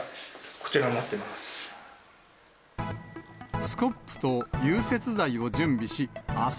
こちらになってます。